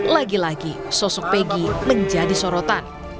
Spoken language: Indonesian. lagi lagi sosok peggy menjadi sorotan